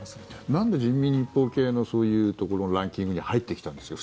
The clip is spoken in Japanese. なんで人民日報系のそういうところのランキングに入ってきたんですか？